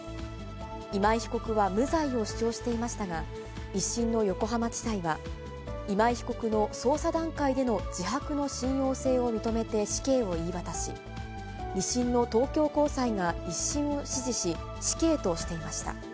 今井被告は無罪を主張していましたが、１審の横浜地裁は、今井被告の捜査段階での自白の信用性を認めて死刑を言い渡し、２審の東京高裁が１審を支持し、死刑としていました。